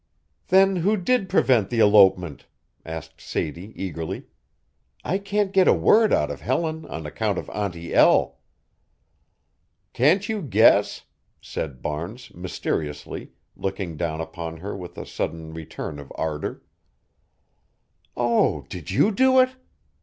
"Then who did prevent the elopement?" asked Sadie, eagerly. "I can't get a word out of Helen on account of Auntie El." "Can't you guess?" said Barnes, mysteriously, looking down upon her with a sudden return of ardor. "Oh, did you do it?"